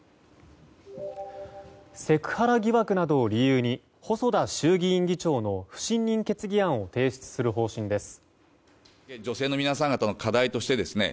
セクハラ疑惑などを理由に細田衆議院議長の不信任決議案を提出する方針です。